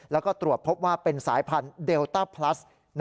แล้วก็ตรวจพบว่าเป็นสายพันธุ์เดลต้าพลัส